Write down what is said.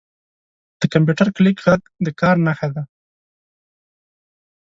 • د کمپیوټر کلیک ږغ د کار نښه ده.